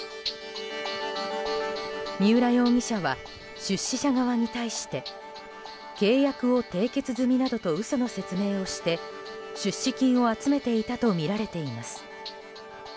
三浦容疑者は出資者側に対して契約を締結済みなどと嘘の説明をして出資金を集めていたとみられています。